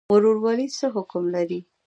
ورورولي څه حکم لري؟